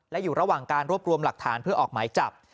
และอยู่ระหว่างการรวบรวมหลักฐานเพื่อออกหมายจับ